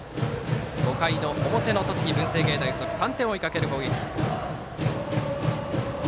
５回の表の栃木・文星芸大付属３点を追いかける攻撃。